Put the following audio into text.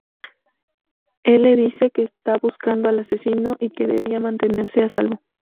Él le dice que está buscando al asesino y que debía mantenerse a salvo.